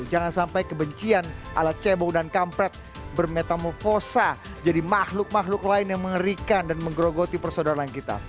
jangan sampai kebencian alat cebong dan kampret bermetamofosa jadi makhluk makhluk lain yang mengerikan dan menggerogoti persaudaraan kita